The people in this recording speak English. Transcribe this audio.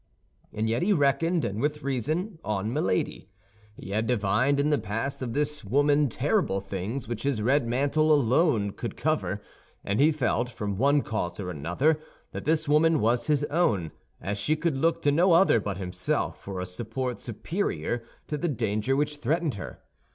And yet he reckoned, and with reason, on Milady. He had divined in the past of this woman terrible things which his red mantle alone could cover; and he felt, from one cause or another, that this woman was his own, as she could look to no other but himself for a support superior to the danger which threatened her.